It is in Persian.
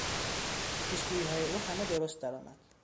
پیشگوییهای او همه درست درآمد.